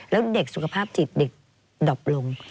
แล้วเด็กสุขภาพสิทธิ์เด็กดบลง